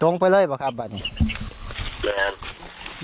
โต๊งไปเลยป่ะครับอ่ะนี่